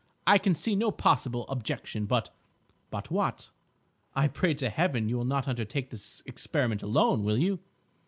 I can see no possible objection, but—" "But what?" "I pray to Heaven you will not undertake this experiment alone, will you?"